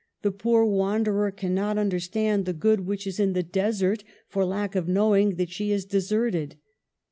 '' The poor wanderer cannot un derstand the good which is in the desert, for lack of knowing that she is deserted.